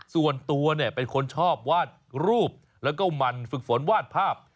ส่วนตัวเนี่ยเป็นคนชอบวาดรูปแล้วก็หมั่นฝึกฝนวาดภาพ